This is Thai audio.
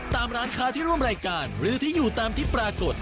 ตามร้านค้าที่ร่วมรายการหรือที่อยู่ตามที่ปรากฏ